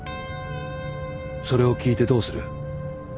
それを聞いてどうする？